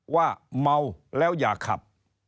ว่าเมาแล้วอย่าขับ